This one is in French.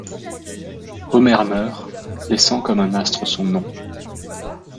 Homère meurt, laissant comme un astre son nom